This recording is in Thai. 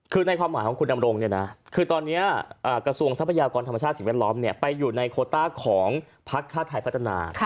คือในความหมายของคุณดำรงเนี่ยนะคือตอนนี้กระทรวงทรัพยากรธรรมชาติสิ่งแวดล้อมไปอยู่ในโคต้าของพักชาติไทยพัฒนา